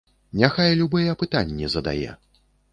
Няхай любыя пытанні задае!